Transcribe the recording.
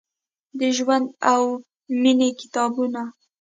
د ژوند او میینې کتابونه ،